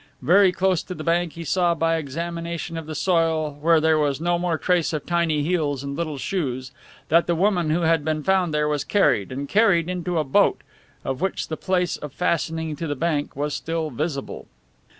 Very close to the bank he saw by examination of the soil, where there was no more trace of tiny heels and little soles, that the woman who had been found there was carried, and carried, into a boat, of which the place of fastening to the bank was still visible.